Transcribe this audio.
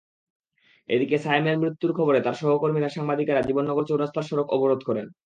এদিকে সায়েমের মৃত্যুর খবরে তাঁর সহকর্মী সাংবাদিকেরা জীবননগর চৌরাস্তায় সড়ক অবরোধ করেন।